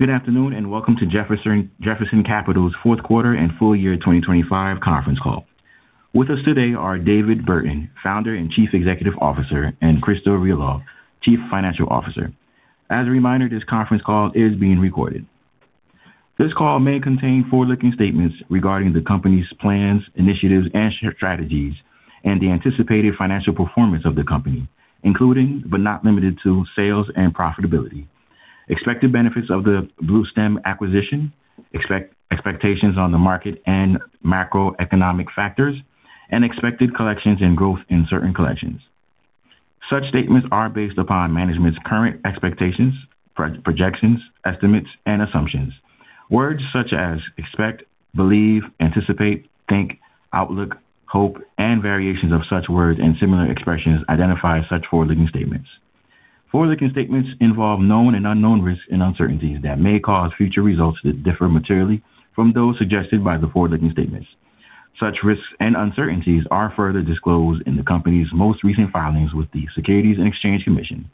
Good afternoon, and welcome to Jefferson Capital's fourth quarter and full year 2025 conference call. With us today are David Burton, Founder and Chief Executive Officer, and Christo Realov, Chief Financial Officer. As a reminder, this conference call is being recorded. This call may contain forward-looking statements regarding the company's plans, initiatives, and strategies, and the anticipated financial performance of the company, including, but not limited to, sales and profitability, expected benefits of the Bluestem acquisition, expectations on the market and macroeconomic factors, and expected collections and growth in certain collections. Such statements are based upon management's current expectations, projections, estimates and assumptions. Words such as expect, believe, anticipate, think, outlook, hope, and variations of such words and similar expressions identify such forward-looking statements. Forward-looking statements involve known and unknown risks and uncertainties that may cause future results to differ materially from those suggested by the forward-looking statements. Such risks and uncertainties are further disclosed in the company's most recent filings with the Securities and Exchange Commission.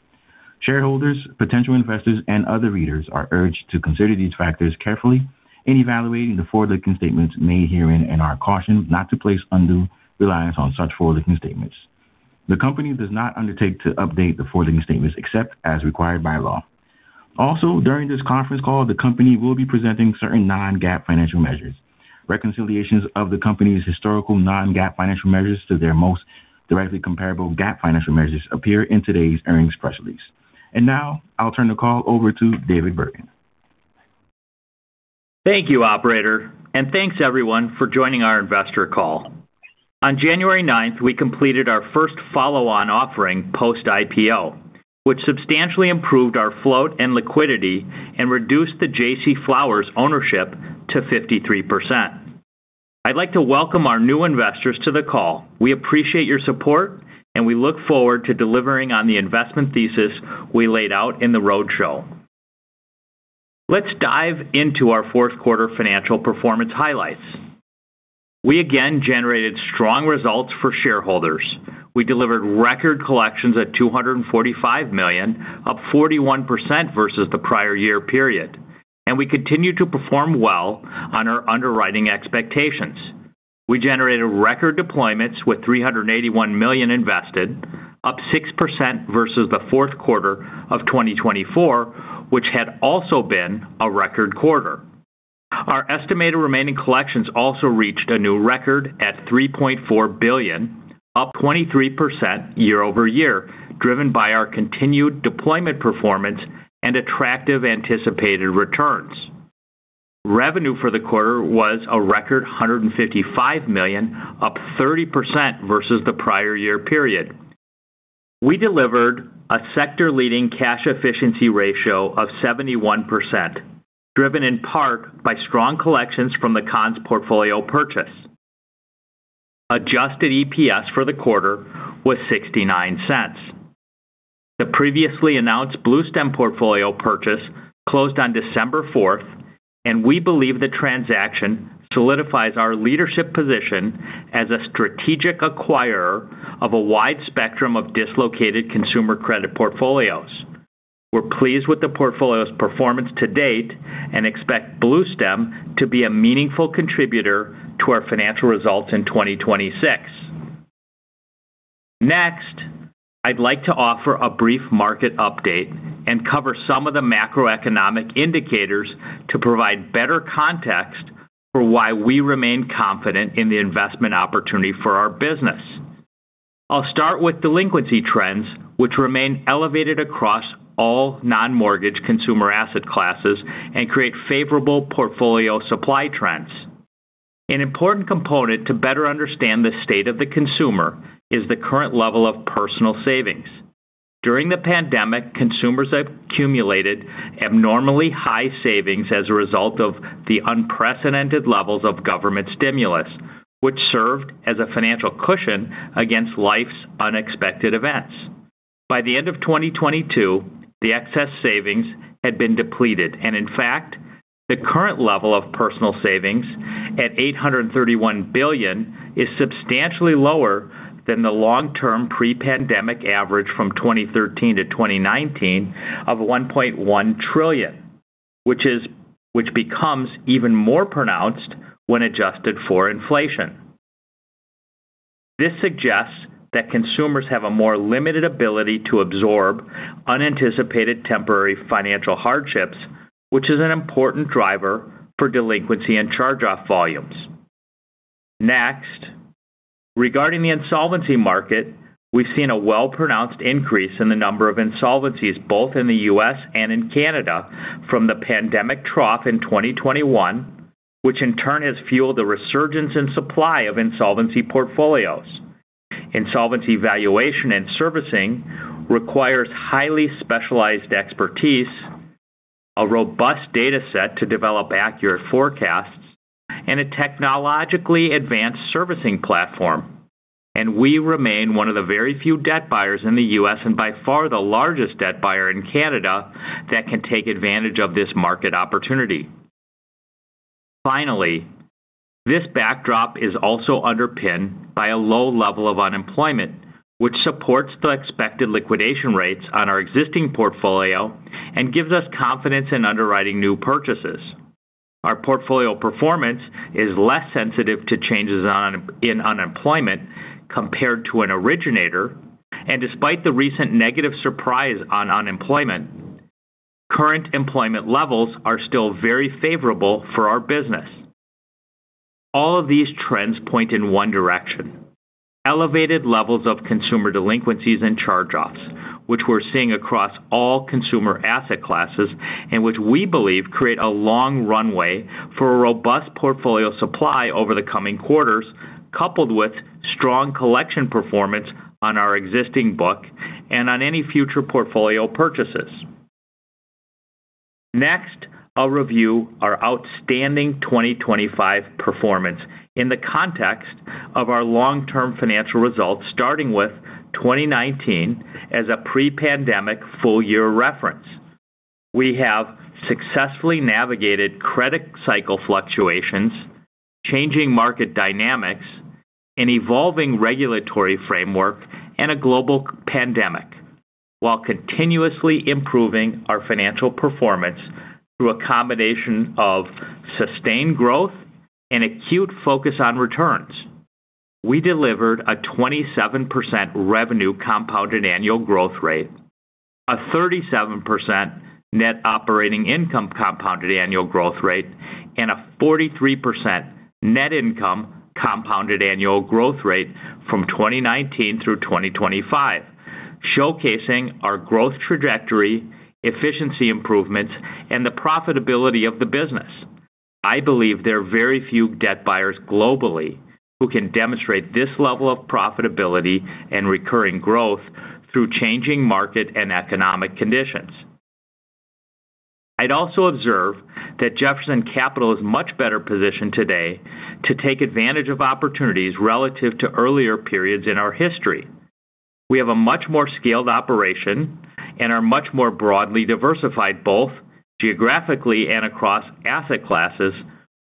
Shareholders, potential investors, and other readers are urged to consider these factors carefully in evaluating the forward-looking statements made herein and are cautioned not to place undue reliance on such forward-looking statements. The company does not undertake to update the forward-looking statements except as required by law. Also, during this conference call, the company will be presenting certain non-GAAP financial measures. Reconciliations of the company's historical non-GAAP financial measures to their most directly comparable GAAP financial measures appear in today's earnings press release. Now, I'll turn the call over to David Burton. Thank you, operator. Thanks everyone for joining our investor call. On January 9th, we completed our first follow-on offering post-IPO, which substantially improved our float and liquidity and reduced the J.C. Flowers ownership to 53%. I'd like to welcome our new investors to the call. We appreciate your support, and we look forward to delivering on the investment thesis we laid out in the roadshow. Let's dive into our fourth quarter financial performance highlights. We again generated strong results for shareholders. We delivered record collections at $245 million, up 41% versus the prior year period. We continue to perform well on our underwriting expectations. We generated record deployments with $381 million invested, up 6% versus the fourth quarter of 2024, which had also been a record quarter. Our estimated remaining collections also reached a new record at $3.4 billion, up 23% year-over-year, driven by our continued deployment performance and attractive anticipated returns. Revenue for the quarter was a record $155 million, up 30% versus the prior year period. We delivered a sector-leading cash efficiency ratio of 71%, driven in part by strong collections from the Conn's portfolio purchase. Adjusted EPS for the quarter was $0.69. The previously announced Bluestem portfolio purchase closed on December 4th, and we believe the transaction solidifies our leadership position as a strategic acquirer of a wide spectrum of dislocated consumer credit portfolios. We're pleased with the portfolio's performance to date and expect Bluestem to be a meaningful contributor to our financial results in 2026. Next, I'd like to offer a brief market update and cover some of the macroeconomic indicators to provide better context for why we remain confident in the investment opportunity for our business. I'll start with delinquency trends, which remain elevated across all non-mortgage consumer asset classes and create favorable portfolio supply trends. An important component to better understand the state of the consumer is the current level of personal savings. During the pandemic, consumers have accumulated abnormally high savings as a result of the unprecedented levels of government stimulus, which served as a financial cushion against life's unexpected events. By the end of 2022, the excess savings had been depleted. In fact, the current level of personal savings at $831 billion is substantially lower than the long-term pre-pandemic average from 2013-2019 of $1.1 trillion, which becomes even more pronounced when adjusted for inflation. This suggests that consumers have a more limited ability to absorb unanticipated temporary financial hardships, which is an important driver for delinquency and charge-off volumes. Next, regarding the insolvency market, we've seen a well-pronounced increase in the number of insolvencies both in the U.S. and in Canada from the pandemic trough in 2021, which in turn has fueled the resurgence in supply of insolvency portfolios. Insolvency valuation and servicing requires highly specialized expertise, a robust data set to develop accurate forecasts, and a technologically advanced servicing platform. We remain one of the very few debt buyers in the U.S., and by far the largest debt buyer in Canada that can take advantage of this market opportunity. Finally, this backdrop is also underpinned by a low level of unemployment, which supports the expected liquidation rates on our existing portfolio and gives us confidence in underwriting new purchases. Our portfolio performance is less sensitive to changes in unemployment compared to an originator. Despite the recent negative surprise on unemployment, current employment levels are still very favorable for our business. All of these trends point in one direction, elevated levels of consumer delinquencies and charge-offs, which we're seeing across all consumer asset classes and which we believe create a long runway for a robust portfolio supply over the coming quarters, coupled with strong collection performance on our existing book and on any future portfolio purchases. Next, I'll review our outstanding 2025 performance in the context of our long-term financial results starting with 2019 as a pre-pandemic full year reference. We have successfully navigated credit cycle fluctuations, changing market dynamics, an evolving regulatory framework, and a global pandemic while continuously improving our financial performance through a combination of sustained growth and acute focus on returns. We delivered a 27% revenue compounded annual growth rate, a 37% net operating income compounded annual growth rate, and a 43% net income compounded annual growth rate from 2019 through 2025, showcasing our growth trajectory, efficiency improvements, and the profitability of the business. I believe there are very few debt buyers globally who can demonstrate this level of profitability and recurring growth through changing market and economic conditions. I'd also observe that Jefferson Capital is much better positioned today to take advantage of opportunities relative to earlier periods in our history. We have a much more scaled operation and are much more broadly diversified both geographically and across asset classes,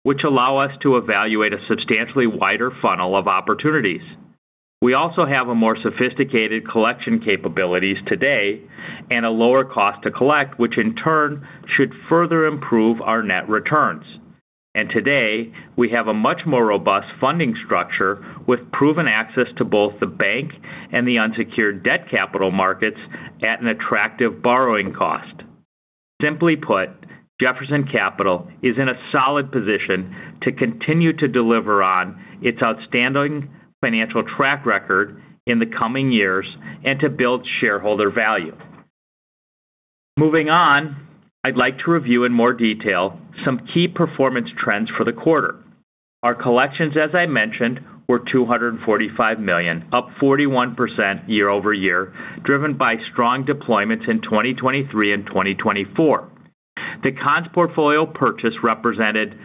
which allow us to evaluate a substantially wider funnel of opportunities. We also have a more sophisticated collection capabilities today and a lower cost to collect, which in turn should further improve our net returns. Today, we have a much more robust funding structure with proven access to both the bank and the unsecured debt capital markets at an attractive borrowing cost. Simply put, Jefferson Capital is in a solid position to continue to deliver on its outstanding financial track record in the coming years and to build shareholder value. Moving on, I'd like to review in more detail some key performance trends for the quarter. Our collections, as I mentioned, were $245 million, up 41% year-over-year, driven by strong deployments in 2023 and 2024. The Conn's portfolio purchase represented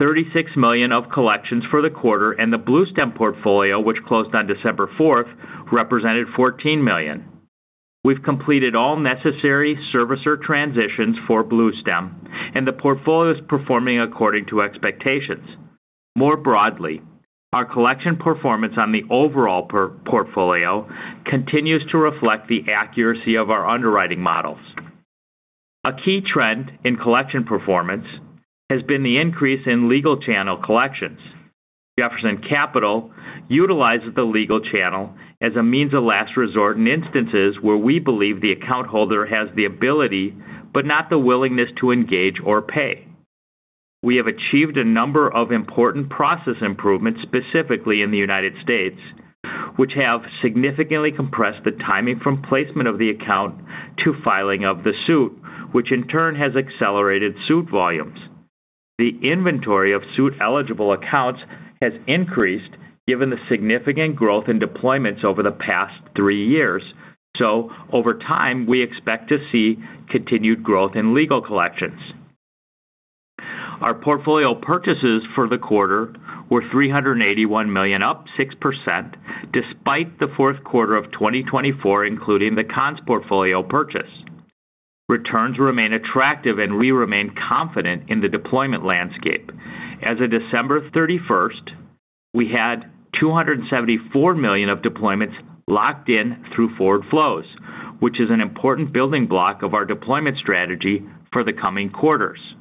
$36 million of collections for the quarter, and the Bluestem portfolio, which closed on December 4th, represented $14 million. We've completed all necessary servicer transitions for Bluestem, and the portfolio is performing according to expectations. More broadly, our collection performance on the overall portfolio continues to reflect the accuracy of our underwriting models. A key trend in collection performance has been the increase in legal channel collections. Jefferson Capital utilizes the legal channel as a means of last resort in instances where we believe the account holder has the ability but not the willingness to engage or pay. We have achieved a number of important process improvements, specifically in the United States, which have significantly compressed the timing from placement of the account to filing of the suit, which in turn has accelerated suit volumes. The inventory of suit-eligible accounts has increased given the significant growth in deployments over the past three years. Over time, we expect to see continued growth in legal collections. Our portfolio purchases for the quarter were $381 million, up 6% despite the fourth quarter of 2024 including the Conn's portfolio purchase. Returns remain attractive, and we remain confident in the deployment landscape. As of December 31st, we had $274 million of deployments locked in through forward flows, which is an important building block of our deployment strategy for the coming quarters.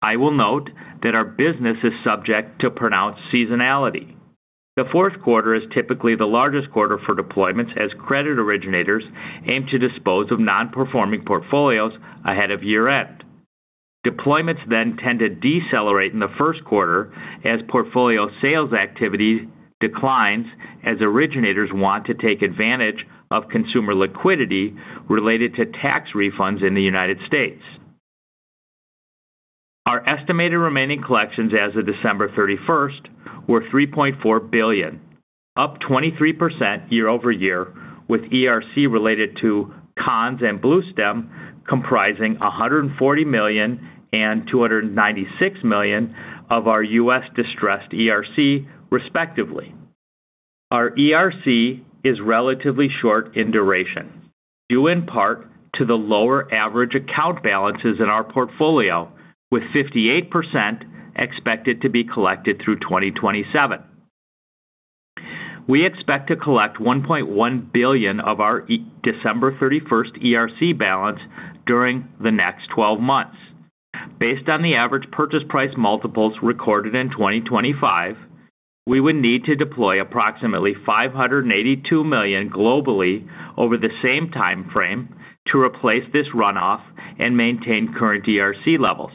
I will note that our business is subject to pronounced seasonality. The fourth quarter is typically the largest quarter for deployments as credit originators aim to dispose of non-performing portfolios ahead of year-end. Deployments then tend to decelerate in the first quarter as portfolio sales activity declines as originators want to take advantage of consumer liquidity related to tax refunds in the United States. Our estimated remaining collections as of December 31st were $3.4 billion, up 23% year-over-year, with ERC related to Conn's and Bluestem comprising $140 million and $296 million of our U.S. distressed ERC respectively. Our ERC is relatively short in duration, due in part to the lower average account balances in our portfolio, with 58% expected to be collected through 2027. We expect to collect $1.1 billion of our December 31st ERC balance during the next 12 months. Based on the average purchase price multiples recorded in 2025, we would need to deploy approximately $582 million globally over the same time frame to replace this runoff and maintain current ERC levels.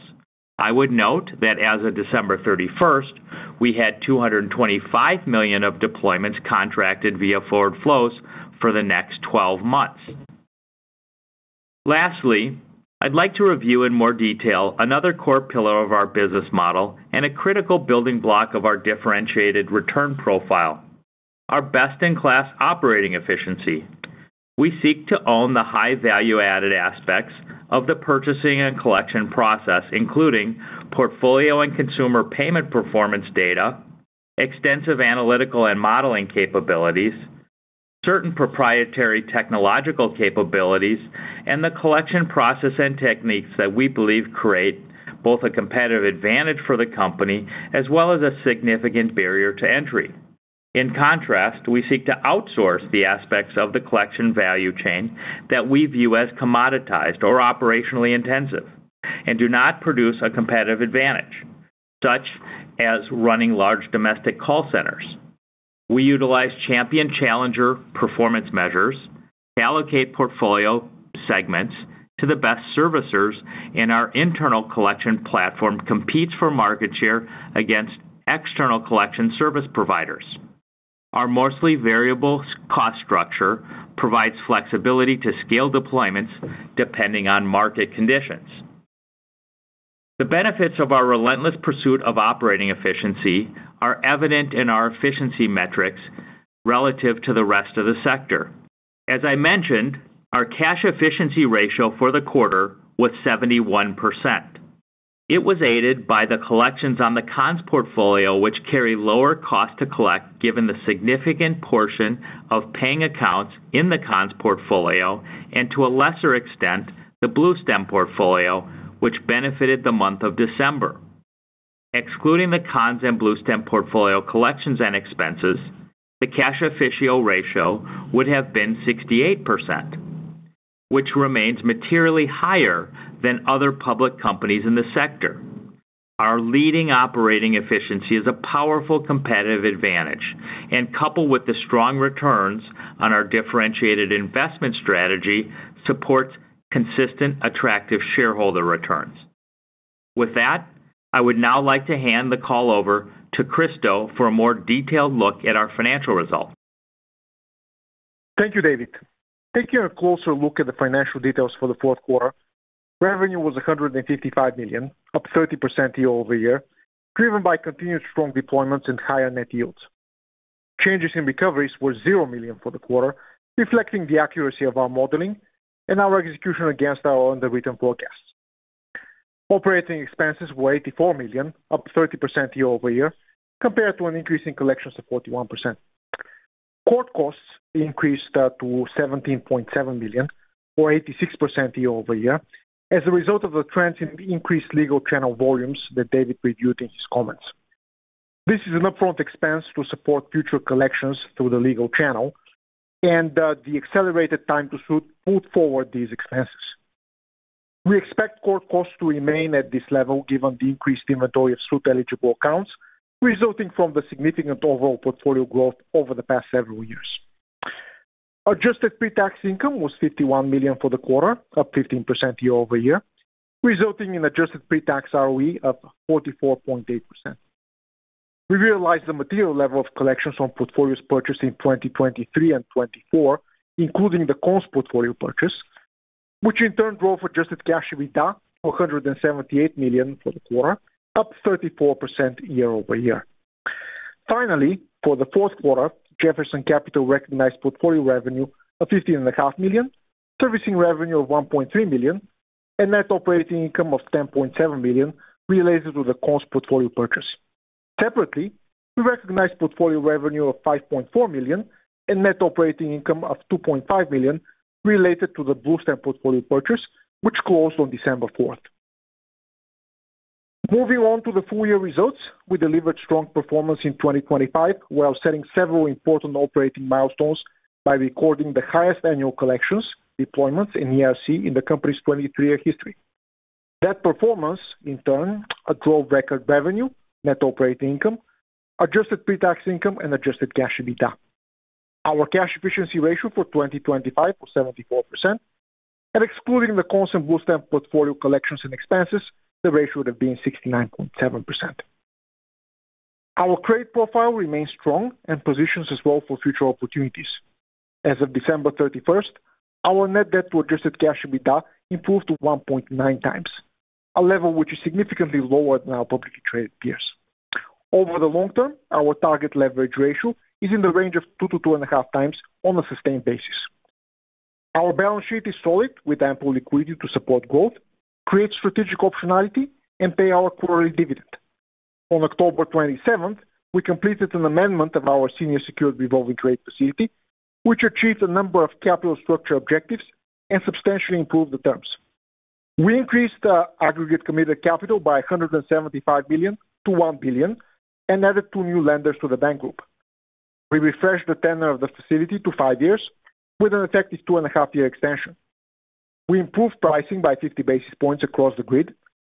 I would note that as of December 31st, we had $225 million of deployments contracted via forward flows for the next 12 months. Lastly, I'd like to review in more detail another core pillar of our business model and a critical building block of our differentiated return profile. Our best-in-class operating efficiency. We seek to own the high value-added aspects of the purchasing and collection process, including portfolio and consumer payment performance data, extensive analytical and modeling capabilities, certain proprietary technological capabilities, and the collection process and techniques that we believe create both a competitive advantage for the company as well as a significant barrier to entry. In contrast, we seek to outsource the aspects of the collection value chain that we view as commoditized or operationally intensive and do not produce a competitive advantage, such as running large domestic call centers. We utilize champion challenger performance measures to allocate portfolio segments to the best servicers, and our internal collection platform competes for market share against external collection service providers. Our mostly variable-cost structure provides flexibility to scale deployments depending on market conditions. The benefits of our relentless pursuit of operating efficiency are evident in our efficiency metrics relative to the rest of the sector. As I mentioned, our cash efficiency ratio for the quarter was 71%. It was aided by the collections on the Conn's portfolio, which carry lower cost to collect given the significant portion of paying accounts in the Conn's portfolio, and to a lesser extent, the Bluestem portfolio, which benefited the month of December. Excluding the Conn's and Bluestem portfolio collections and expenses, the cash efficiency ratio would have been 68%, which remains materially higher than other public companies in the sector. Our leading operating efficiency is a powerful competitive advantage and, coupled with the strong returns on our differentiated investment strategy, supports consistent, attractive shareholder returns. With that, I would now like to hand the call over to Christo for a more detailed look at our financial results. Thank you, David. Taking a closer look at the financial details for the fourth quarter, revenue was $155 million, up 30% year-over-year, driven by continued strong deployments and higher net yields. Changes in recoveries were $0 million for the quarter, reflecting the accuracy of our modeling and our execution against our underwritten forecasts. Operating expenses were $84 million, up 30% year-over-year, compared to an increase in collections of 41%. Court costs increased to $17.7 million or 86% year-over-year as a result of the trend in increased legal channel volumes that David reviewed in his comments. This is an upfront expense to support future collections through the legal channel and the accelerated time to suit pulled forward these expenses. We expect court costs to remain at this level given the increased inventory of suit-eligible accounts resulting from the significant overall portfolio growth over the past several years. Adjusted pre-tax income was $51 million for the quarter, up 15% year-over-year, resulting in adjusted pre-tax ROE of 44.8%. We realized the material level of collections on portfolios purchased in 2023 and 2024, including the Conn's portfolio purchase, which in turn drove adjusted cash EBITDA to $178 million for the quarter, up 34% year-over-year. Finally, for the fourth quarter, Jefferson Capital recognized portfolio revenue of $15.5 million, servicing revenue of $1.3 million, and net operating income of $10.7 million related to the Conn's portfolio purchase. Separately, we recognized portfolio revenue of $5.4 million and net operating income of $2.5 million related to the Bluestem portfolio purchase, which closed on December 4th. Moving on to the full year results. We delivered strong performance in 2025 while setting several important operating milestones by recording the highest annual collections, deployments in ERC in the company's 23-year history. That performance in turn drove record revenue, net operating income, adjusted pre-tax income and adjusted cash EBITDA. Our cash efficiency ratio for 2025 was 74%. Excluding the Conn's and Bluestem portfolio collections and expenses, the ratio would have been 69.7%. Our credit profile remains strong and positions us well for future opportunities. As of December 31st, our net debt to adjusted cash EBITDA improved to 1.9x, a level which is significantly lower than our publicly traded peers. Over the long term, our target leverage ratio is in the range of 2x-2.5x on a sustained basis. Our balance sheet is solid with ample liquidity to support growth, create strategic optionality, and pay our quarterly dividend. On October 27th, we completed an amendment of our senior secured revolving credit facility, which achieved a number of capital structure objectives and substantially improved the terms. We increased the aggregate committed capital by $175 million to $1 billion and added two new lenders to the bank group. We refreshed the tenure of the facility to five years with an effective 2.5-year extension. We improved pricing by 50 basis points across the grid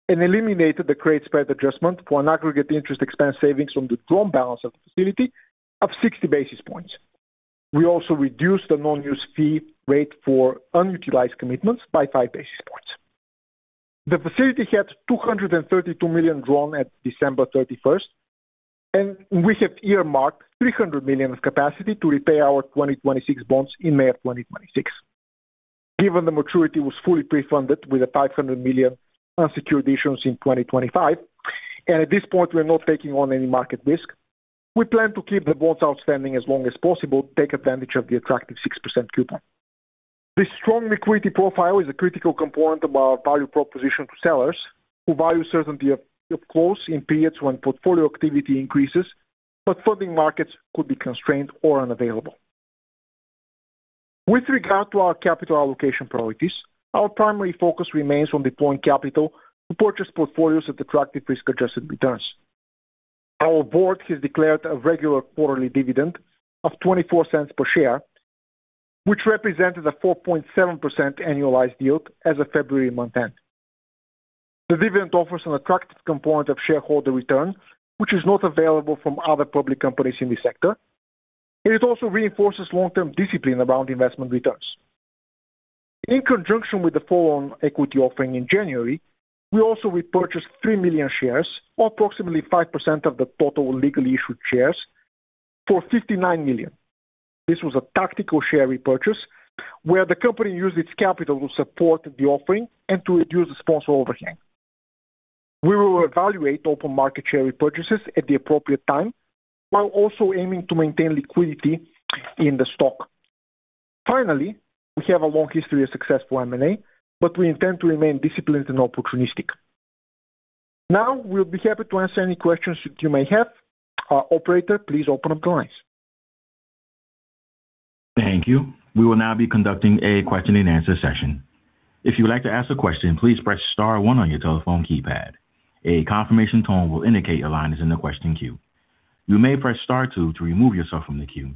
and eliminated the credit spread adjustment for an aggregate interest expense savings from the drawn balance of the facility of 60 basis points. We also reduced the non-use fee rate for unutilized commitments by 5 basis points. The facility had $232 million drawn at December 31st, and we have earmarked $300 million of capacity to repay our 2026 bonds in May 2026. Given the maturity was fully prefunded with a $500 million unsecured issuance in 2025, and at this point, we are not taking on any market risk. We plan to keep the bonds outstanding as long as possible to take advantage of the attractive 6% coupon. This strong liquidity profile is a critical component of our value proposition to sellers who value certainty, of course, in periods when portfolio activity increases, but funding markets could be constrained or unavailable. With regard to our capital allocation priorities, our primary focus remains on deploying capital to purchase portfolios at attractive risk-adjusted returns. Our board has declared a regular quarterly dividend of $0.24 per share, which represented a 4.7% annualized yield as of February month-end. The dividend offers an attractive component of shareholder return, which is not available from other public companies in the sector, and it also reinforces long-term discipline around investment returns. In conjunction with the follow-on equity offering in January, we also repurchased 3 million shares, or approximately 5% of the total legal issued shares for $59 million. This was a tactical share repurchase where the company used its capital to support the offering and to reduce the sponsor overhang. We will evaluate open market share repurchases at the appropriate time while also aiming to maintain liquidity in the stock. Finally, we have a long history of successful M&A, but we intend to remain disciplined and opportunistic. Now, we'll be happy to answer any questions that you may have. Operator, please open up the lines. Thank you. We will now be conducting a question-and-answer session. If you would like to ask a question, please press star one on your telephone keypad. A confirmation tone will indicate a line is in the question queue. You may press star two to remove yourself from the queue.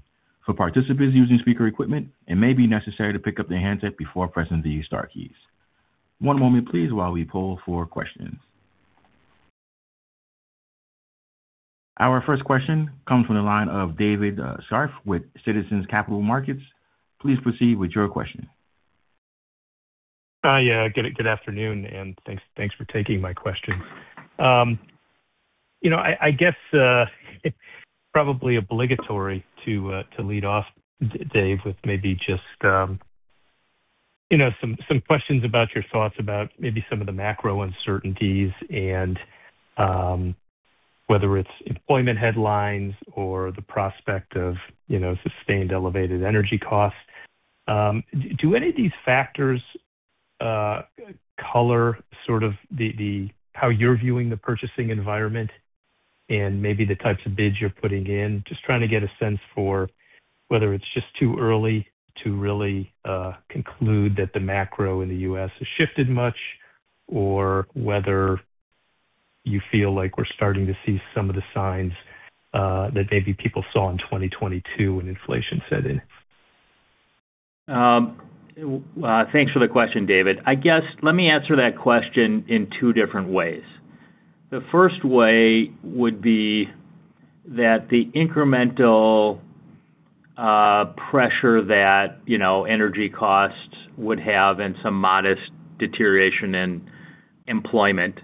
For participants using speaker equipment, it may be necessary to pick up their handset before pressing the star keys. One moment please while we poll for questions. Our first question comes from the line of David Scharf with Citizens Capital Markets. Please proceed with your question. Hi. Yeah. Good afternoon, and thanks for taking my question. You know, I guess probably obligatory to lead off, Dave, with maybe just you know some questions about your thoughts about maybe some of the macro uncertainties and whether it's employment headlines or the prospect of you know sustained elevated energy costs. Do any of these factors color sort of the how you're viewing the purchasing environment and maybe the types of bids you're putting in? Just trying to get a sense for whether it's just too early to really conclude that the macro in the U.S. has shifted much or whether you feel like we're starting to see some of the signs that maybe people saw in 2022 when inflation set in. Thanks for the question, David. I guess let me answer that question in two different ways. The first way would be that the incremental pressure that, you know, energy costs would have and some modest deterioration in employment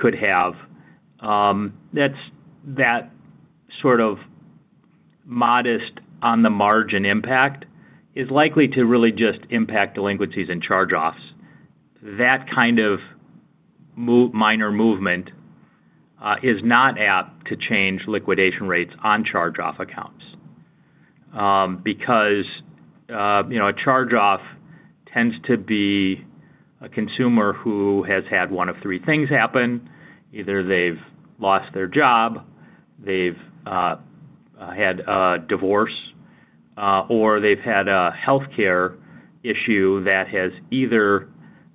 could have, that's that sort of modest on the margin impact is likely to really just impact delinquencies and charge-offs. That kind of minor movement is not apt to change liquidation rates on charge-off accounts. Because, you know, a charge-off tends to be a consumer who has had one of three things happen. Either they've lost their job, they've had a divorce, or they've had a healthcare issue that has either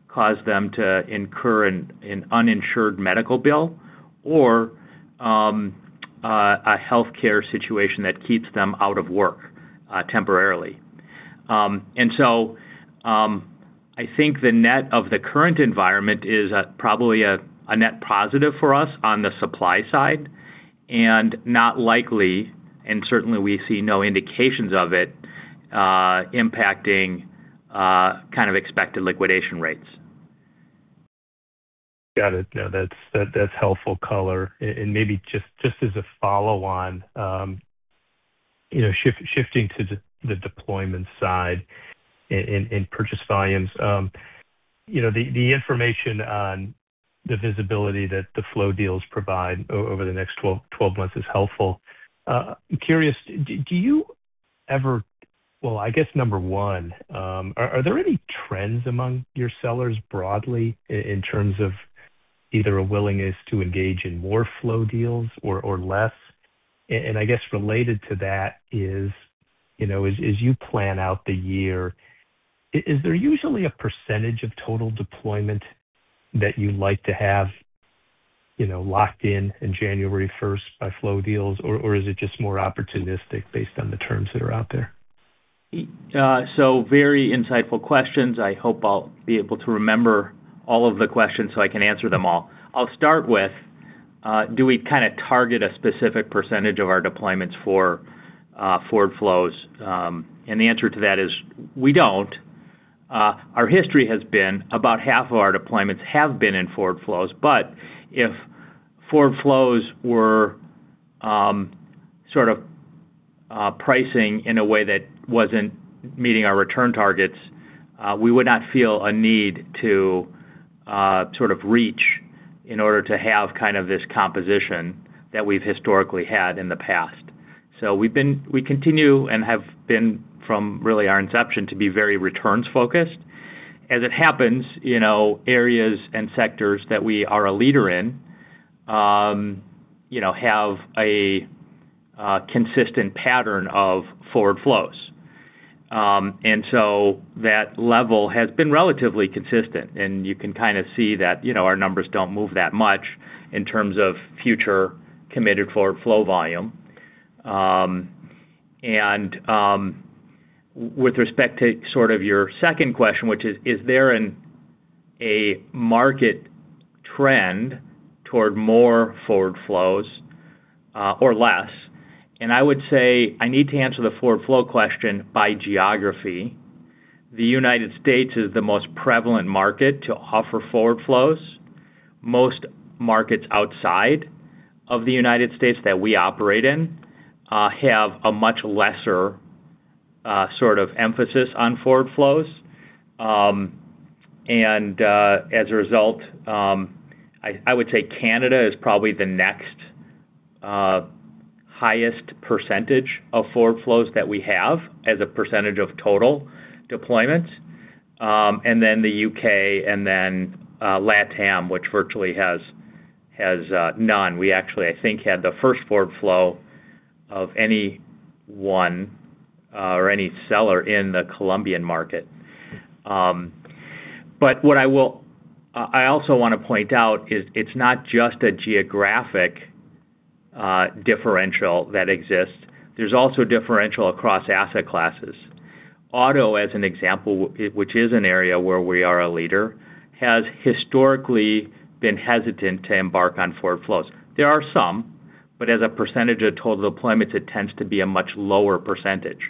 caused them to incur an uninsured medical bill or a healthcare situation that keeps them out of work temporarily. I think the net of the current environment is probably a net positive for us on the supply side and not likely, and certainly we see no indications of it impacting kind of expected liquidation rates. Got it. No, that's helpful color. And maybe just as a follow-on, you know, shifting to the deployment side and purchase volumes. You know, the information on the visibility that the flow deals provide over the next 12 months is helpful. I'm curious. Well, I guess number one, are there any trends among your sellers broadly in terms of either a willingness to engage in more flow deals or less? I guess related to that is, you know, as you plan out the year, is there usually a percentage of total deployment that you like to have, you know, locked in in January 1st by flow deals, or is it just more opportunistic based on the terms that are out there? Very insightful questions. I hope I'll be able to remember all of the questions so I can answer them all. I'll start with, do we kinda target a specific percentage of our deployments for, forward flows? The answer to that is we don't. Our history has been about half of our deployments have been in forward flows, but if forward flows were, sort of, pricing in a way that wasn't meeting our return targets, we would not feel a need to, sort of reach in order to have kind of this composition that we've historically had in the past. We continue and have been from really our inception to be very returns-focused. As it happens, you know, areas and sectors that we are a leader in, you know, have a consistent pattern of forward flows. That level has been relatively consistent, and you can kind of see that, you know, our numbers don't move that much in terms of future committed forward flow volume. With respect to sort of your second question, which is there a market trend toward more forward flows, or less? I would say I need to answer the forward flow question by geography. The United States is the most prevalent market to offer forward flows. Most markets outside of the United States that we operate in have a much lesser sort of emphasis on forward flows. As a result, I would say Canada is probably the next highest percentage of forward flows that we have as a percentage of total deployments. Then the U.K. and then LatAm, which virtually has none. We actually, I think, had the first forward flow of anyone or any seller in the Colombian market. I also wanna point out it's not just a geographic differential that exists. There's also a differential across asset classes. Auto, as an example, which is an area where we are a leader, has historically been hesitant to embark on forward flows. There are some, but as a percentage of total deployments, it tends to be a much lower percentage.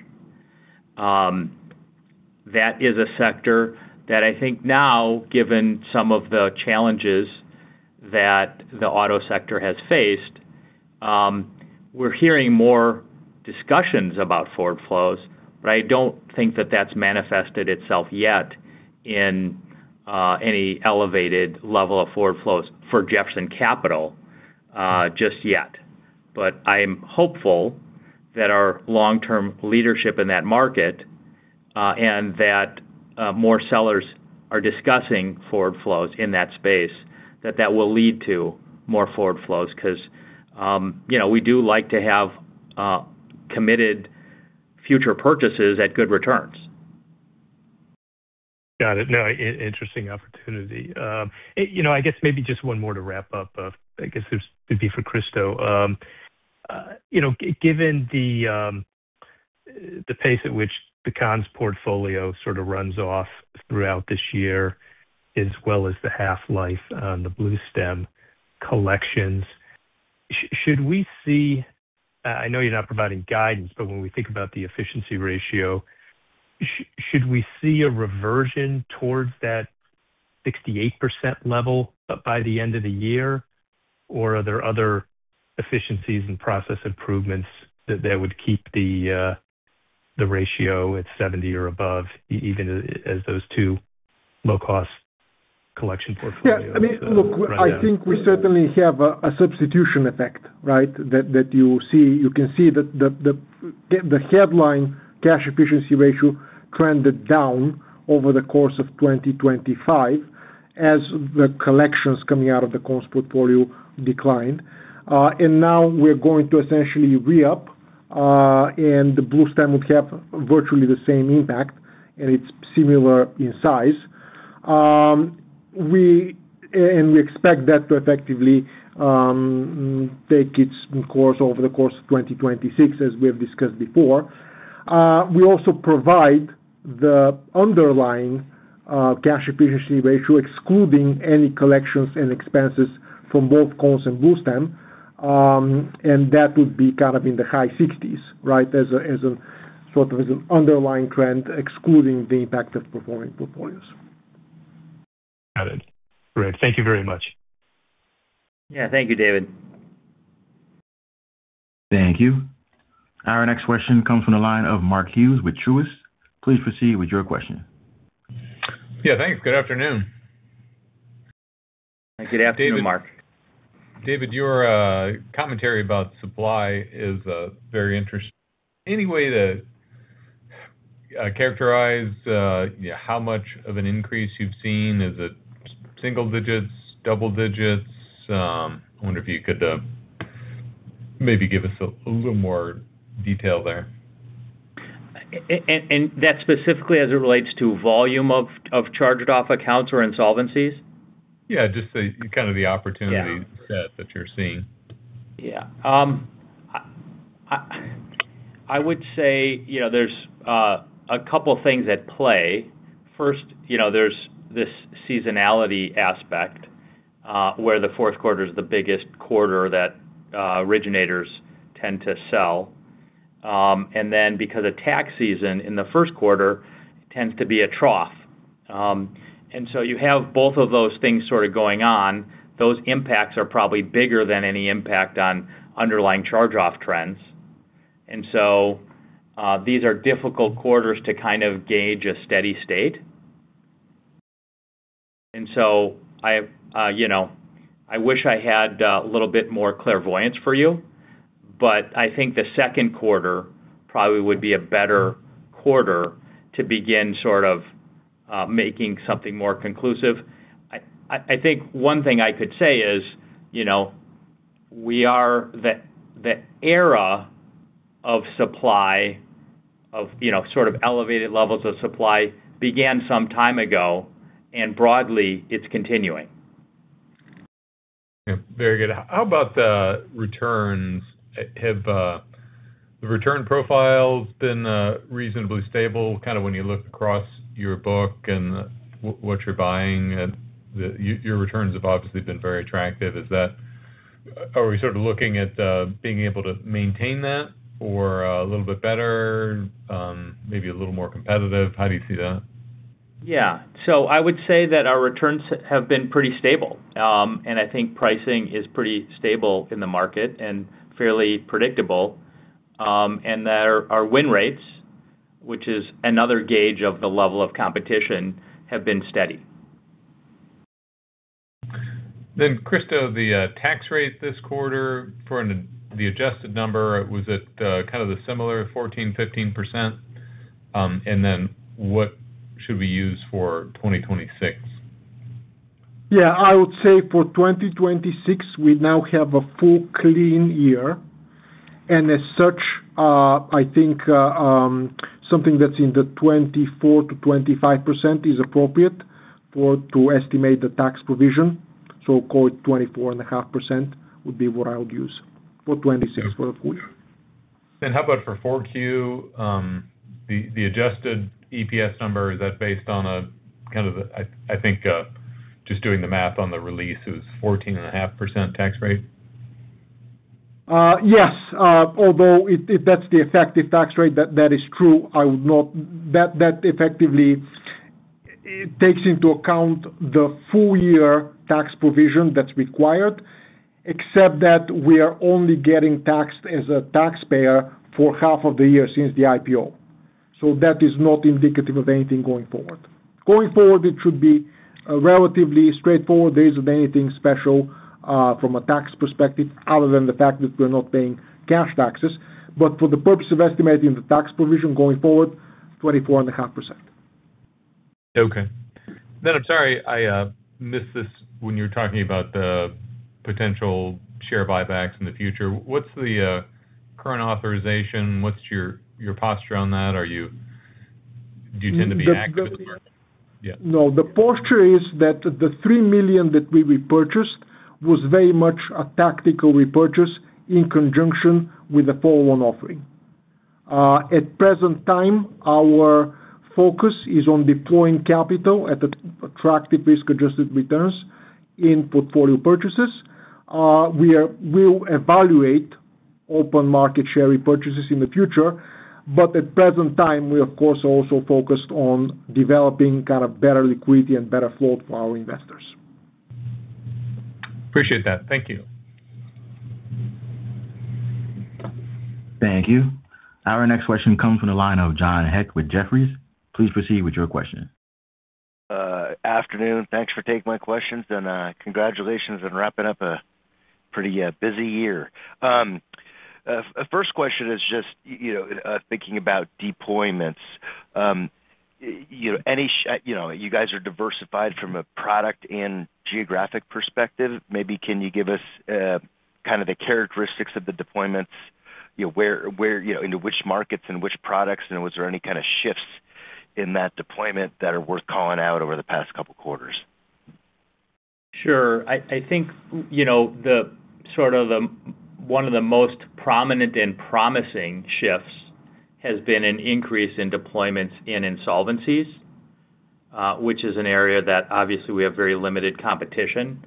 That is a sector that I think now, given some of the challenges that the auto sector has faced, we're hearing more discussions about forward flows, but I don't think that that's manifested itself yet in any elevated level of forward flows for Jefferson Capital, just yet. I'm hopeful that our long-term leadership in that market, and that more sellers are discussing forward flows in that space, that that will lead to more forward flows 'cause you know, we do like to have committed future purchases at good returns. Got it. No, interesting opportunity. You know, I guess maybe just one more to wrap up. I guess this would be for Christo. You know, given the pace at which the Conn's portfolio sort of runs off throughout this year, as well as the half-life on the Bluestem collections, should we see? I know you're not providing guidance, but when we think about the efficiency ratio, should we see a reversion towards that 68% level by the end of the year, or are there other efficiencies and process improvements that would keep the ratio at 70% or above even as those two low-cost collection portfolios run down? Yeah. I mean, look, I think we certainly have a substitution effect, right? That you see, you can see the headline cash efficiency ratio trended down over the course of 2025 as the collections coming out of the Conn's portfolio declined. Now we're going to essentially reup, and the Bluestem will have virtually the same impact, and it's similar in size. We expect that to effectively take its course over the course of 2026, as we have discussed before. We also provide the underlying cash efficiency ratio, excluding any collections and expenses from both Conn's and Bluestem. That would be kind of in the high sixties, right? As a sort of underlying trend, excluding the impact of performing portfolios. Got it. Great. Thank you very much. Yeah. Thank you, David. Thank you. Our next question comes from the line of Mark Hughes with Truist. Please proceed with your question. Yeah, thanks. Good afternoon. Good afternoon, Mark. David, your commentary about supply is very interesting. Any way to characterize how much of an increase you've seen? Is it single digits, double digits? I wonder if you could maybe give us a little more detail there. That's specifically as it relates to volume of charged-off accounts or insolvencies? Yeah, just the kind of opportunity. Yeah. Set that you're seeing. Yeah. I would say, you know, there's a couple things at play. First, you know, there's this seasonality aspect, where the fourth quarter is the biggest quarter that originators tend to sell. Because of tax season, the first quarter tends to be a trough. You have both of those things sort of going on. Those impacts are probably bigger than any impact on underlying charge-off trends. These are difficult quarters to kind of gauge a steady state. I, you know, I wish I had a little bit more clairvoyance for you, but I think the second quarter probably would be a better quarter to begin sort of making something more conclusive. I think one thing I could say is, you know, we are the era of supply of, you know, sort of elevated levels of supply began some time ago, and broadly, it's continuing. Very good. How about the returns? Have the return profiles been reasonably stable, kind of when you look across your book and what you're buying, your returns have obviously been very attractive. Are we sort of looking at being able to maintain that or a little bit better, maybe a little more competitive? How do you see that? Yeah. I would say that our returns have been pretty stable. I think pricing is pretty stable in the market and fairly predictable. Our win rates, which is another gauge of the level of competition, have been steady. Christo, the tax rate this quarter for the adjusted number, was it kind of the similar 14%-15%? What should we use for 2026? Yeah. I would say for 2026, we now have a full clean year. As such, I think something that's in the 24%-25% is appropriate to estimate the tax provision. Call it 24.5% would be what I would use for 2026 for a full year. How about for Q4, the adjusted EPS number, is that based on a kind of, I think, just doing the math on the release, it was 14.5% tax rate? Yes. Although if that's the effective tax rate, that is true. That effectively takes into account the full year tax provision that's required, except that we are only getting taxed as a taxpayer for half of the year since the IPO. That is not indicative of anything going forward. Going forward, it should be relatively straightforward. There isn't anything special from a tax perspective other than the fact that we're not paying cash taxes. For the purpose of estimating the tax provision going forward, 24.5%. I'm sorry I missed this when you were talking about the potential share buybacks in the future. What's the current authorization? What's your posture on that? Do you tend to be active? Yeah. No, the posture is that the $3 million that we repurchased was very much a tactical repurchase in conjunction with the follow-on offering. At present time, our focus is on deploying capital at attractive risk-adjusted returns in portfolio purchases. We'll evaluate open market share repurchases in the future, but at present time, we, of course, are also focused on developing kind of better liquidity and better flow for our investors. Appreciate that. Thank you. Thank you. Our next question comes from the line of John Hecht with Jefferies. Please proceed with your question. Afternoon. Thanks for taking my questions, and congratulations on wrapping up a pretty busy year. First question is just, you know, thinking about deployments. You know, you guys are diversified from a product and geographic perspective. Maybe can you give us kind of the characteristics of the deployments, you know, where you know, into which markets and which products, and was there any kind of shifts in that deployment that are worth calling out over the past couple of quarters? Sure. I think, you know, one of the most prominent and promising shifts has been an increase in deployments in insolvencies, which is an area that obviously we have very limited competition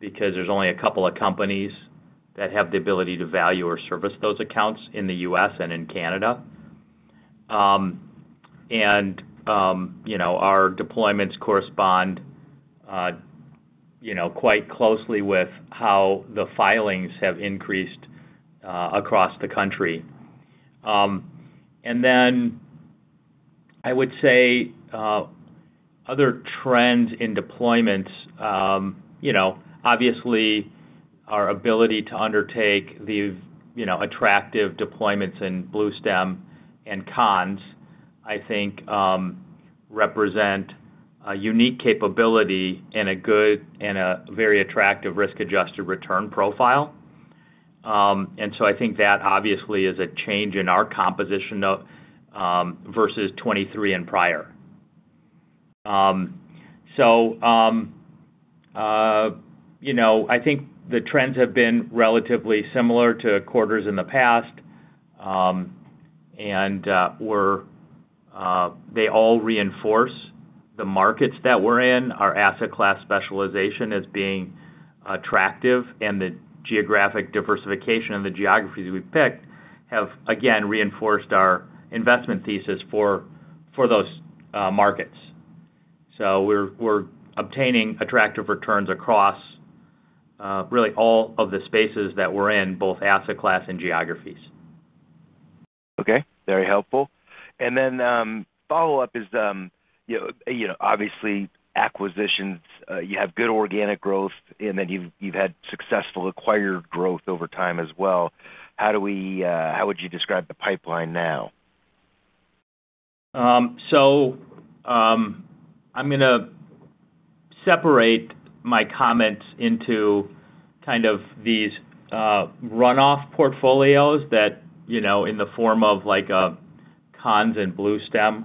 because there's only a couple of companies that have the ability to value or service those accounts in the U.S. and in Canada. You know, our deployments correspond quite closely with how the filings have increased across the country. Then I would say other trends in deployments, you know, obviously our ability to undertake these attractive deployments in Bluestem and Conn's, I think, represent a unique capability and a good and a very attractive risk-adjusted return profile. So I think that obviously is a change in our composition versus 2023 and prior. You know, I think the trends have been relatively similar to quarters in the past. They all reinforce the markets that we're in. Our asset class specialization as being attractive and the geographic diversification and the geographies we've picked have again reinforced our investment thesis for those markets. We're obtaining attractive returns across, really all of the spaces that we're in, both asset class and geographies. Okay. Very helpful. Follow-up is, you know, obviously acquisitions, you have good organic growth, and then you've had successful acquired growth over time as well. How would you describe the pipeline now? I'm gonna separate my comments into kind of these runoff portfolios that you know in the form of like Conn's and Bluestem,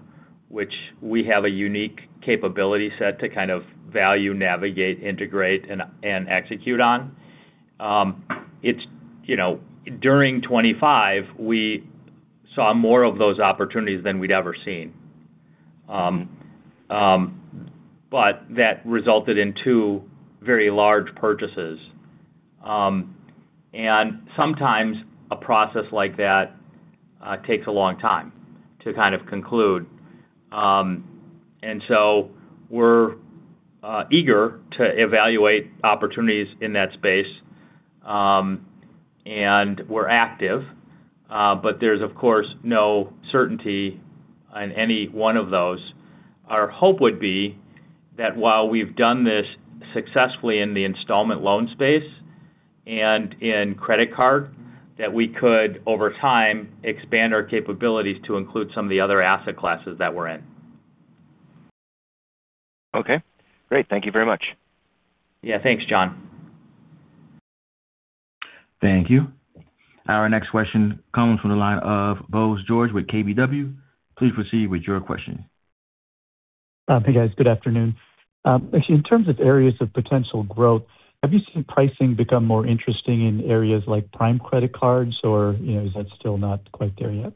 which we have a unique capability set to kind of value, navigate, integrate, and execute on. It's you know during 2025, we saw more of those opportunities than we'd ever seen. That resulted in two very large purchases. Sometimes a process like that takes a long time to kind of conclude. We're eager to evaluate opportunities in that space, and we're active. There's of course no certainty on any one of those. Our hope would be that while we've done this successfully in the installment loan space and in credit card, that we could over time expand our capabilities to include some of the other asset classes that we're in. Okay. Great. Thank you very much. Yeah, thanks, John. Thank you. Our next question comes from the line of Bose George with KBW. Please proceed with your question. Hey, guys. Good afternoon. Actually, in terms of areas of potential growth, have you seen pricing become more interesting in areas like prime credit cards or, you know, is that still not quite there yet?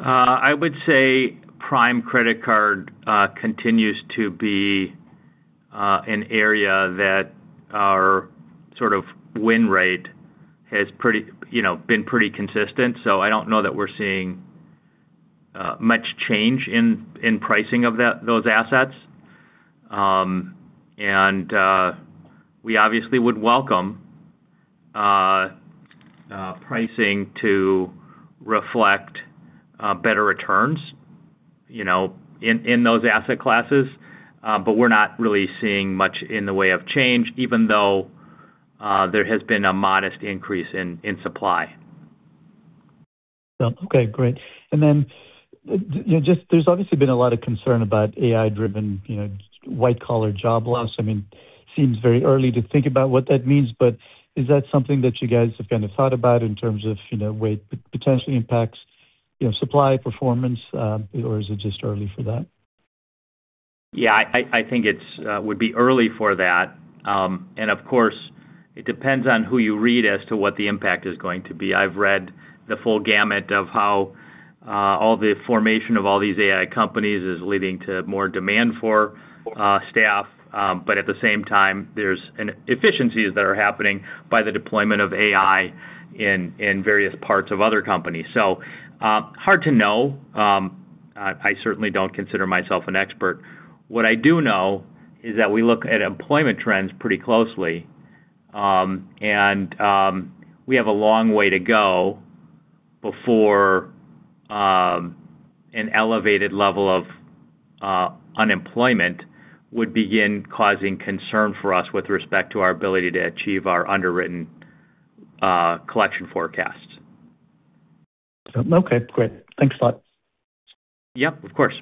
I would say prime credit card continues to be an area that our sort of win rate has pretty, you know, been pretty consistent. I don't know that we're seeing much change in pricing of those assets. We obviously would welcome pricing to reflect better returns, you know, in those asset classes. We're not really seeing much in the way of change even though there has been a modest increase in supply. Okay, great. You know, just, there's obviously been a lot of concern about AI-driven, you know, white-collar job loss. I mean, seems very early to think about what that means, but is that something that you guys have kind of thought about in terms of, you know, way it potentially impacts, you know, supply performance, or is it just early for that? I think it would be early for that. Of course, it depends on who you read as to what the impact is going to be. I've read the full gamut of how all the formation of all these AI companies is leading to more demand for staff. At the same time, there are inefficiencies that are happening by the deployment of AI in various parts of other companies. Hard to know. I certainly don't consider myself an expert. What I do know is that we look at employment trends pretty closely. We have a long way to go before an elevated level of unemployment would begin causing concern for us with respect to our ability to achieve our underwritten collection forecasts. Okay, great. Thanks a lot. Yep, of course.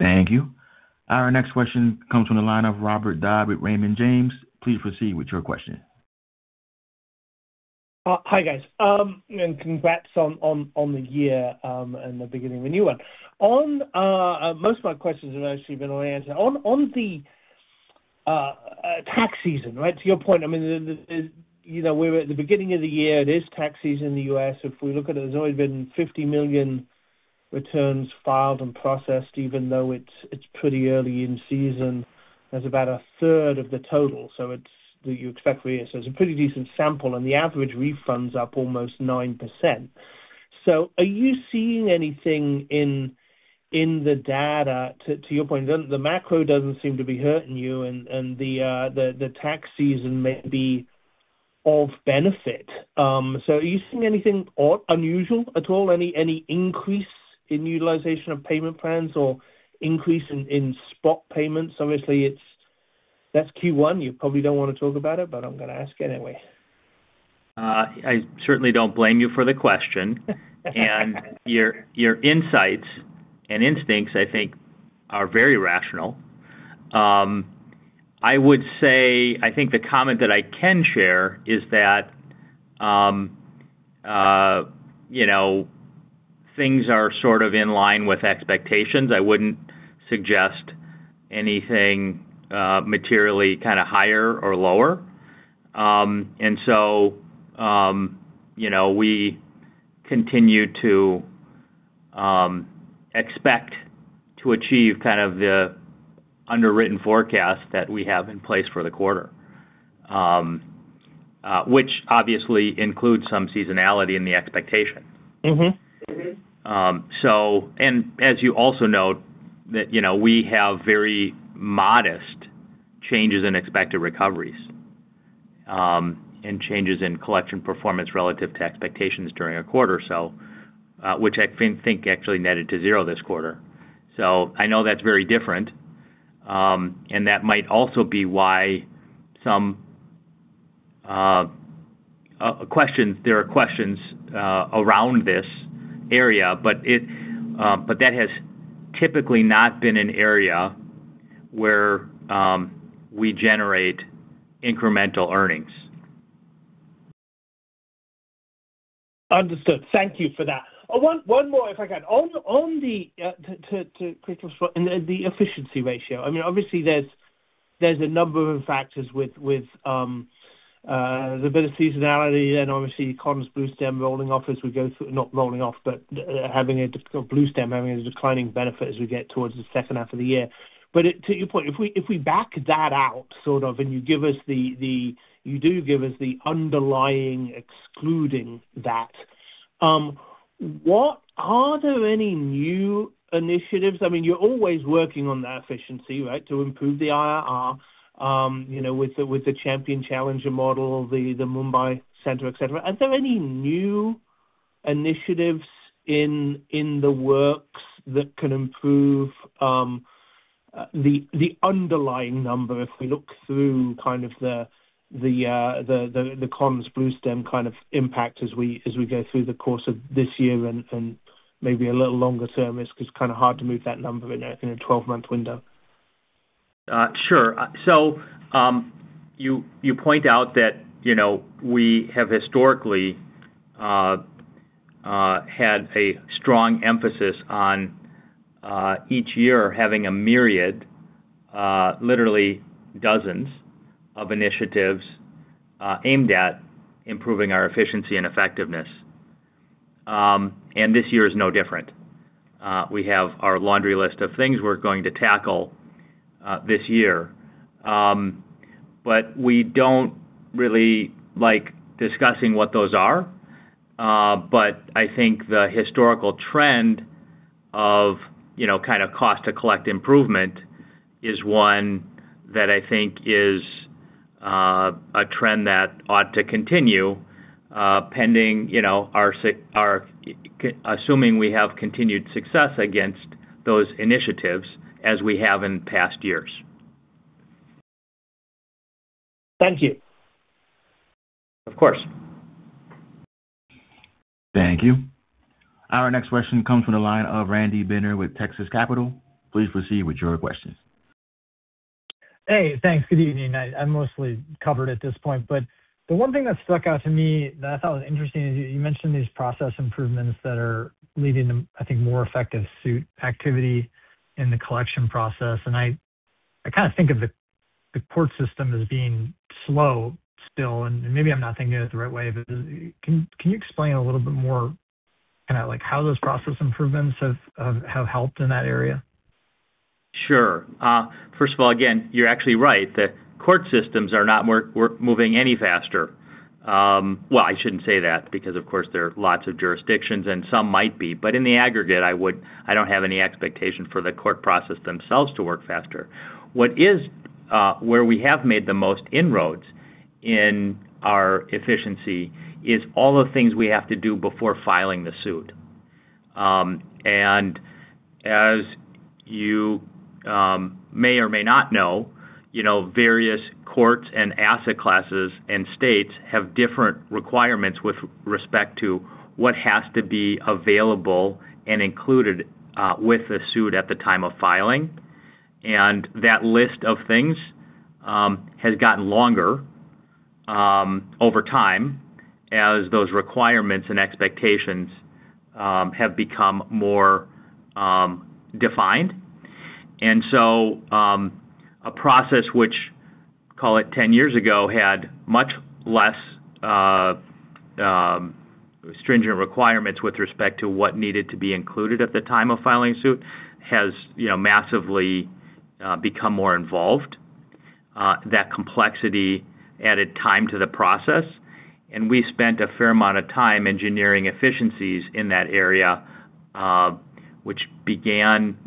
Thank you. Our next question comes from the line of Robert Dodd with Raymond James. Please proceed with your question. Hi, guys. Congrats on the year and the beginning of a new one. Most of my questions have actually been answered. On the tax season, right? To your point, I mean, you know, we're at the beginning of the year. It is tax season in the U.S. If we look at it, there's always been 50 million returns filed and processed, even though it's pretty early in season. That's about 1/3 of the total. It's that you expect for the year, so it's a pretty decent sample, and the average refund's up almost 9%. Are you seeing anything in the data to your point, the macro doesn't seem to be hurting you and the tax season may be of benefit. Are you seeing anything odd unusual at all? Any increase in utilization of payment plans or increase in spot payments? Obviously, it's. That's Q1. You probably don't wanna talk about it, but I'm gonna ask anyway. I certainly don't blame you for the question. Your insights and instincts, I think, are very rational. I would say, I think the comment that I can share is that, you know, things are sort of in line with expectations. I wouldn't suggest anything materially kinda higher or lower. You know, we continue to expect to achieve kind of the underwritten forecast that we have in place for the quarter, which obviously includes some seasonality in the expectation. Mm-hmm. As you also note that, you know, we have very modest changes in expected recoveries, and changes in collection performance relative to expectations during a quarter, which I think actually netted to zero this quarter. I know that's very different, and that might also be why there are questions around this area, but that has typically not been an area where we generate incremental earnings. Understood. Thank you for that. One more, if I can. On the cash efficiency ratio, I mean, obviously there's a number of factors with a bit of seasonality and obviously Conn's Bluestem rolling off as we go through. Not rolling off, but having a difficult Bluestem, having a declining benefit as we get towards the second half of the year. To your point, if we back that out, sort of, and you give us the underlying excluding that, are there any new initiatives? I mean, you're always working on the efficiency, right? To improve the IRR, you know, with the champion challenger model, the Mumbai center, et cetera. Are there any new initiatives in the works that can improve the underlying number if we look through kind of the Conn's Bluestem kind of impact as we go through the course of this year and maybe a little longer term? It's just kinda hard to move that number in a 12-month window. Sure. You point out that, you know, we have historically had a strong emphasis on each year having a myriad, literally dozens of initiatives aimed at improving our efficiency and effectiveness. This year is no different. We have our laundry list of things we're going to tackle this year. We don't really like discussing what those are. I think the historical trend of, you know, kinda cost to collect improvement is one that I think is a trend that ought to continue pending, you know, assuming we have continued success against those initiatives as we have in past years. Thank you. Of course. Thank you. Our next question comes from the line of Randy Binner with Texas Capital. Please proceed with your questions. Hey. Thanks. Good evening. I'm mostly covered at this point, but the one thing that stuck out to me that I thought was interesting is you mentioned these process improvements that are leading to, I think, more effective suit activity in the collection process. I kinda think of the court system as being slow still, and maybe I'm not thinking of it the right way. Can you explain a little bit more kinda like how those process improvements have helped in that area? Sure. First of all, again, you're actually right, that court systems are not working any faster. Well, I shouldn't say that because, of course, there are lots of jurisdictions and some might be. In the aggregate, I don't have any expectation for the court process themselves to work faster. Where we have made the most inroads in our efficiency is all the things we have to do before filing the suit. As you may or may not know, you know, various courts and asset classes and states have different requirements with respect to what has to be available and included with the suit at the time of filing. That list of things has gotten longer over time as those requirements and expectations have become more defined. A process which, call it 10 years ago, had much less stringent requirements with respect to what needed to be included at the time of filing suit has, you know, massively become more involved. That complexity added time to the process, and we spent a fair amount of time engineering efficiencies in that area, which began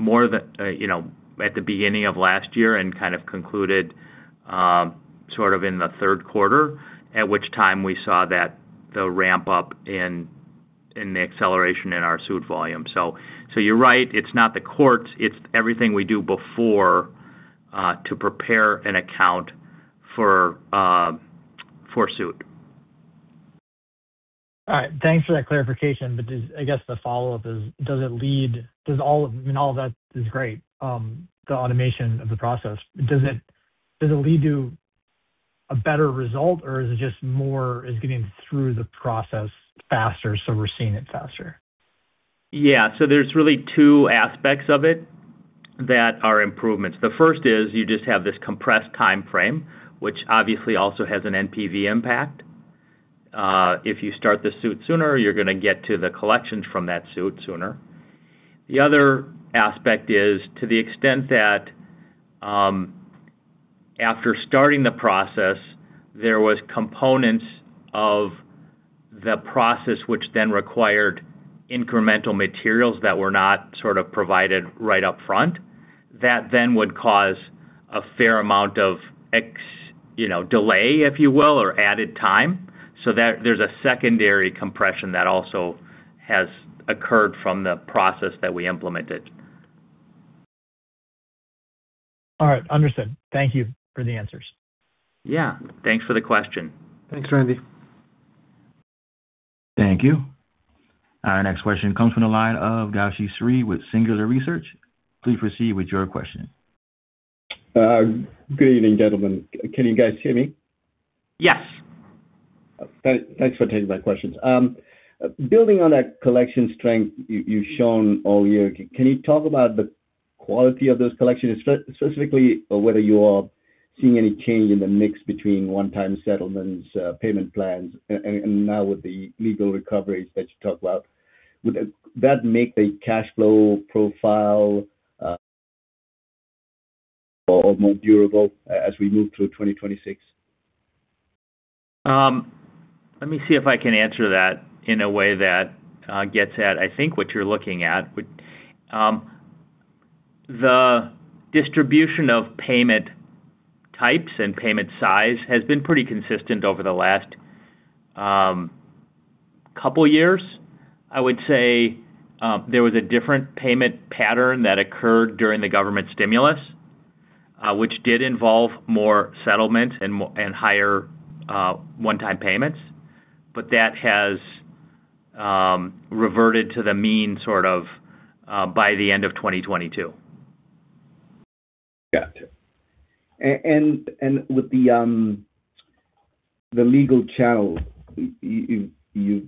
at the beginning of last year and kind of concluded sort of in the third quarter, at which time we saw that the ramp-up in the acceleration in our suit volume. You're right, it's not the courts, it's everything we do before to prepare an account for suit. All right. Thanks for that clarification. Just, I guess, the follow-up is, does all of that, I mean, all of that is great, the automation of the process. Does it lead to a better result, or is it just more as getting through the process faster, so we're seeing it faster? Yeah. There's really two aspects of it that are improvements. The first is you just have this compressed timeframe, which obviously also has an NPV impact. If you start the suit sooner, you're gonna get to the collections from that suit sooner. The other aspect is to the extent that, after starting the process, there was components of the process which then required incremental materials that were not sort of provided right up front. That then would cause a fair amount of you know, delay, if you will, or added time. There, there's a secondary compression that also has occurred from the process that we implemented. All right. Understood. Thank you for the answers. Yeah. Thanks for the question. Thanks, Randy. Thank you. Our next question comes from the line of Gowshihan Sriharan with Singular Research. Please proceed with your question. Good evening, gentlemen. Can you guys hear me? Yes. Thanks for taking my questions. Building on that collection strength you've shown all year, can you talk about the quality of those collections, specifically or whether you are seeing any change in the mix between one-time settlements, payment plans, and now with the legal recoveries that you talk about? Would that make the cash flow profile more durable as we move through 2026? Let me see if I can answer that in a way that gets at, I think, what you're looking at. The distribution of payment types and payment size has been pretty consistent over the last couple years. I would say there was a different payment pattern that occurred during the government stimulus, which did involve more settlement and higher one-time payments. That has reverted to the mean sort of by the end of 2022. Gotcha. With the legal channel, you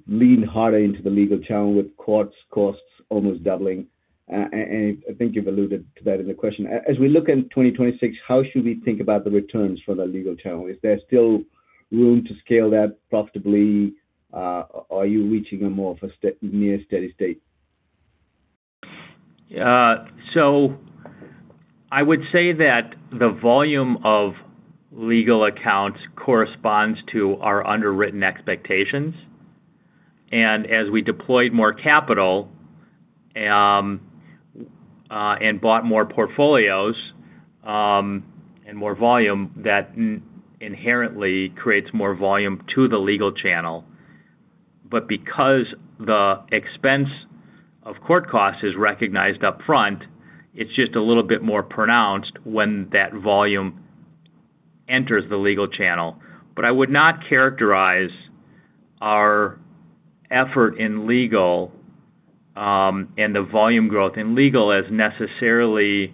lean harder into the legal channel with court costs almost doubling. I think you've alluded to that in the question. As we look in 2026, how should we think about the returns for the legal channel? Is there still room to scale that profitably? Are you reaching more of a steady state? I would say that the volume of legal accounts corresponds to our underwritten expectations. As we deployed more capital and bought more portfolios and more volume, that inherently creates more volume to the legal channel. Because the expense of court costs is recognized upfront, it's just a little bit more pronounced when that volume enters the legal channel. I would not characterize our effort in legal and the volume growth in legal as necessarily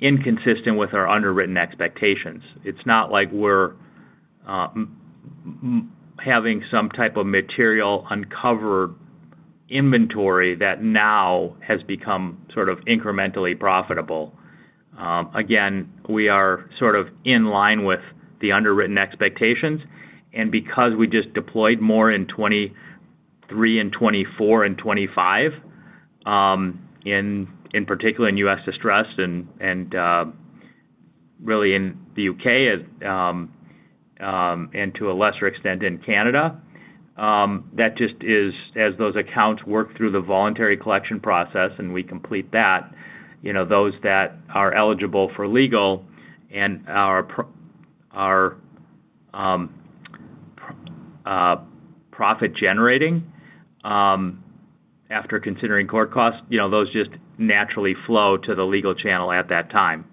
inconsistent with our underwritten expectations. It's not like we're having some type of material uncovered inventory that now has become sort of incrementally profitable. Again, we are sort of in line with the underwritten expectations. Because we just deployed more in 2023 and 2024 and 2025, in particular in U.S. distressed and really in the U.K., and to a lesser extent in Canada, that just is as those accounts work through the voluntary collection process and we complete that, you know, those that are eligible for legal and are profit-generating, after considering court costs, you know, those just naturally flow to the legal channel at that time.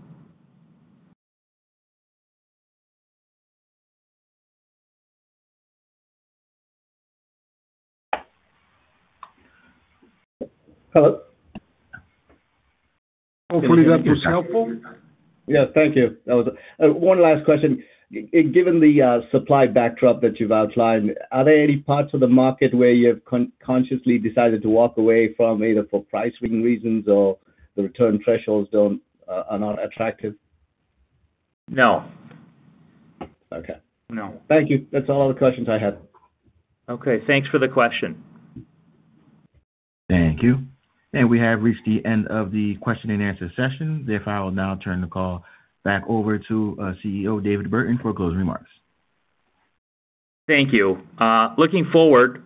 Hello? Hopefully that was helpful. Yeah. Thank you. One last question. Given the supply backdrop that you've outlined, are there any parts of the market where you have consciously decided to walk away from either for pricing reasons or the return thresholds are not attractive? No. Okay. No. Thank you. That's all the questions I had. Okay, thanks for the question. Thank you. We have reached the end of the question and answer session. Therefore, I will now turn the call back over to CEO David Burton for closing remarks. Thank you. Looking forward,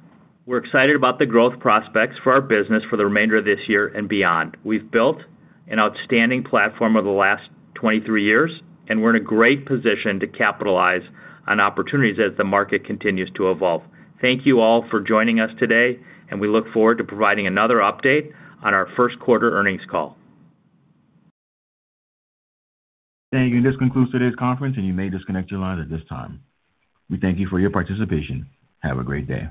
we're excited about the growth prospects for our business for the remainder of this year and beyond. We've built an outstanding platform over the last 23 years, and we're in a great position to capitalize on opportunities as the market continues to evolve. Thank you all for joining us today, and we look forward to providing another update on our first quarter earnings call. Thank you. This concludes today's conference, and you may disconnect your lines at this time. We thank you for your participation. Have a great day.